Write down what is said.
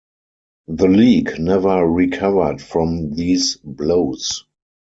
The league never recovered from these blows.